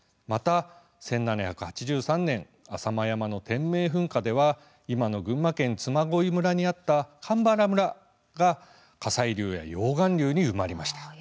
また、１７８３年浅間山の天明噴火では今の群馬県嬬恋村にあった鎌原村が火砕流や溶岩流に埋まりました。